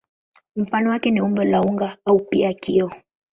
Mfano wake ni umbo la unga au pia kioo.